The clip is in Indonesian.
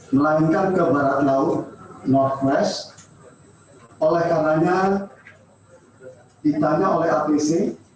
melainkan ke barat laut northwest oleh kamarnya ditanya oleh apc